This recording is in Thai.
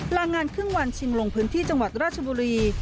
ลางานครึ่งวันชิงลงพื้นที่จังหวัดราชบุรี